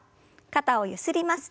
肩をゆすります。